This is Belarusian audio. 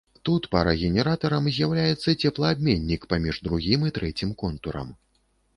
Тут парагенератарам з'яўляецца цеплаабменнік паміж другім і трэцім контурам.